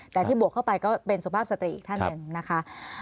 แต่ที่บวกเข้าไปก็เป็นสุภาพสตรีอีกท่านหนึ่งนะคะ